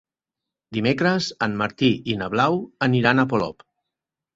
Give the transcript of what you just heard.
Dimecres en Martí i na Blau aniran a Polop.